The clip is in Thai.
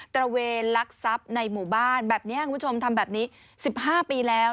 ระเวนลักทรัพย์ในหมู่บ้านแบบนี้คุณผู้ชมทำแบบนี้๑๕ปีแล้ว